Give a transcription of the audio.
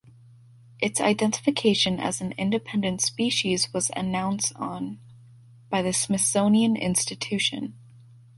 Its identification as an independent species was announce on... by the Smithsonian Institution.